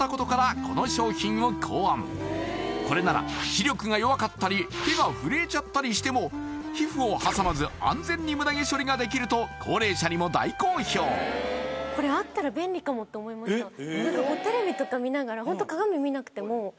これなら視力が弱かったり手が震えちゃったりしても皮膚を挟まず安全にムダ毛処理ができると高齢者にも大好評って思いました